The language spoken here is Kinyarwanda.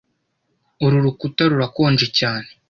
Uru rukuta rurakonje cyane